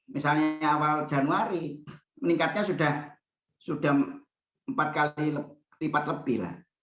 semangat awal januari meningkatnya sudah empat kali lipat lebih